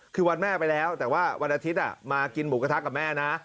คือวันแม่ไปแล้วแต่ว่าวันอาทิตย์มากินหมูกระทะกับแม่นะ